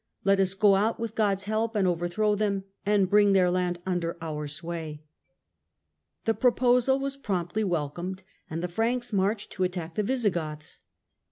Let us go out with God's help and overthrow them, and bring their land under our sway." The proposal was promptly welcomed and the Franks marched to attack the Visigoths.